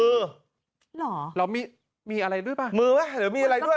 เหรอเรามีมีอะไรด้วยป่ะมือไหมหรือมีอะไรด้วย